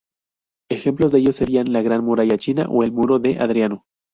Ejemplos de ello serían la Gran Muralla China o el Muro de Adriano.